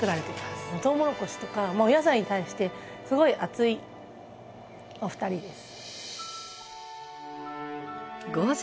とうもろこしとかお野菜に対してすごい熱いお二人です。